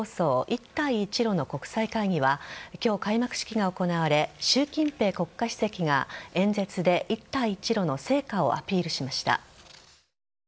一帯一路の国際会議は今日、開幕式が行われ習近平国家主席が演説で一帯一路の成果をアピールしました。